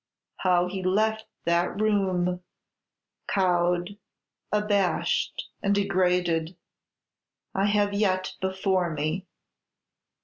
How he left that room, cowed, abashed, and degraded, I have yet before me.